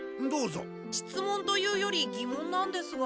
質問というより疑問なんですが。